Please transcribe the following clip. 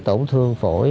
tổn thương phổi